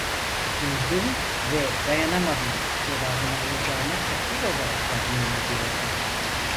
"Gördüm ve dayanamadım!" cevabını alacağını kati olarak tahmin ediyordu.